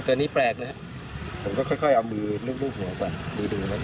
ดูนะค่อยจับไม่ดี